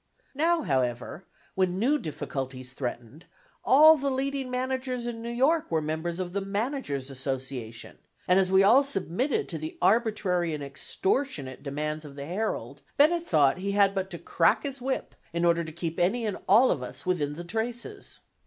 Now, however, when new difficulties threatened, all the leading managers in New York were members of the "Managers' Association," and as we all submitted to the arbitrary and extortionate demands of the Herald, Bennett thought he had but to crack his whip, in order to keep any and all of us within the traces.